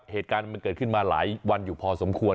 เหตุการณ์มันเกิดขึ้นมาหลายวันอยู่พอสมควร